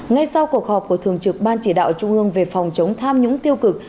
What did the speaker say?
ngay sau cuộc họp của thường trực ban chỉ đạo trung ương về phòng chống tham nhũng tiêu cực